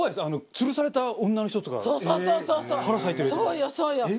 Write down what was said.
つるされた女の人とか腹裂いてるやつ。